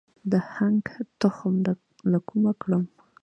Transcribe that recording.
د هنګ تخم له کومه کړم؟